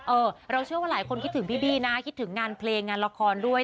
เออเราเชื่อว่าหลายคนคิดถึงพี่บี้นะคิดถึงงานเพลงงานละครด้วย